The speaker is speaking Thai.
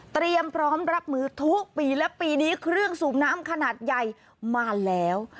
เตรียมพร้อมรับมือทุกปีและปีนี้เครื่องสูบน้ำขนาดใหญ่มาแล้ว